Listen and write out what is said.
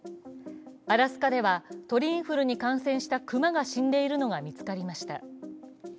アラスカでは鳥インフルに感染した熊が死んでいるのが見つかりました。